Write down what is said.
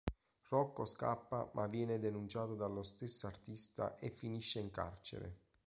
Rocco scappa ma viene denunciato dallo stesso artista e finisce in carcere.